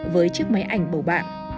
với chiếc máy ảnh bầu bạn